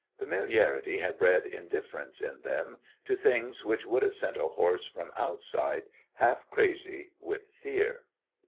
Familiarity had bred indifference in them to things which would have sent a horse from outside half crazy with fear.